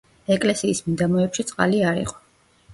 ეკლესიის მიდამოებში წყალი არ იყო.